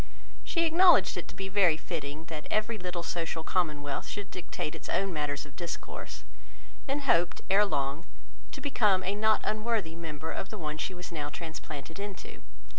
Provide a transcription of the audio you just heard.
She acknowledged it to be very fitting, that every little social commonwealth should dictate its own matters of discourse; and hoped, ere long, to become a not unworthy member of the one she was now transplanted into.